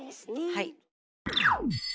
はい。